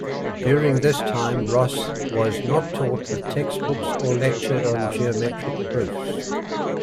During this time, Ross was not taught with textbooks or lectured on geometric proofs.